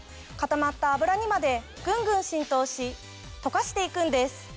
固まった油にまでぐんぐん浸透し溶かして行くんです。